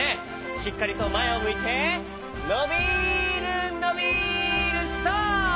しっかりとまえをむいてのびるのびるストップ！